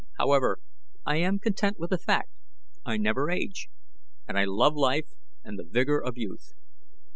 However, I am content with the fact I never age, and I love life and the vigor of youth.